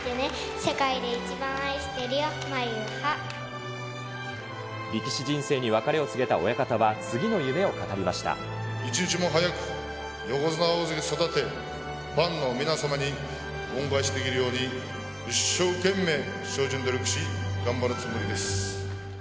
世界で一番愛してるよ、力士人生に別れを告げた親方一日も早く横綱、大関を育て、ファンの皆様に恩返しできるように、一生懸命精進努力し、頑張るつもりです。